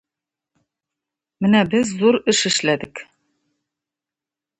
менә без зур эш эшләдек